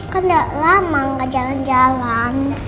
kan nggak lama nggak jalan jalan